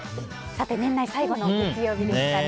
年内最後の月曜日でしたね。